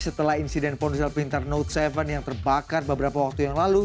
setelah insiden ponsel pintar note tujuh yang terbakar beberapa waktu yang lalu